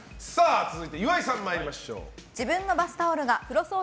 続いて岩井さん参りましょう。